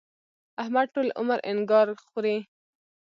احمد ټول عمر انګار خوري.